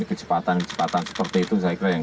kecepatan kecepatan seperti itu saya kira yang